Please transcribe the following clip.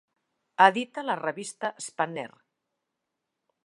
Edita la revista Spanner.